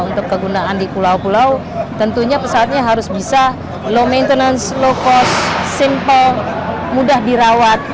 untuk kegunaan di pulau pulau tentunya pesawatnya harus bisa low maintenance low cost simple mudah dirawat